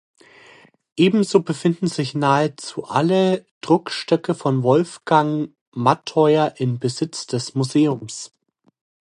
Ebenso befinden sich nahezu alle Druckstöcke von Wolfgang Mattheuer in Besitz des Museums.